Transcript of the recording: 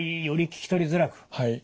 はい。